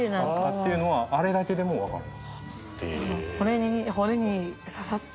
っていうのはあれだけでもわかる。